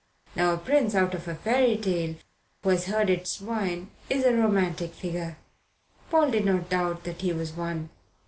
Now a prince out of a fairy tale who has herded swine is a romantic figure. Paul did not doubt that he was one.